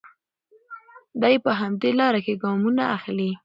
دی په همدې لاره کې ګامونه اخلي.